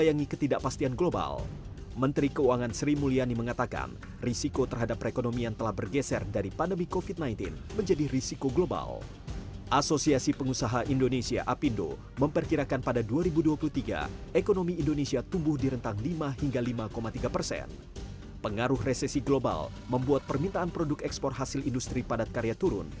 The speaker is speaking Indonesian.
yang justru makin memperburuk situasi ekonominya itu